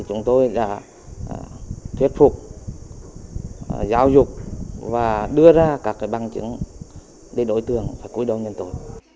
chúng tôi đã thuyết phục giáo dục và đưa ra các bằng chứng để đối tượng và cúi đầu nhân tội